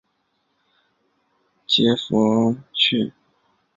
而由于杰佛逊的婚姻关系处于高度紧张状态。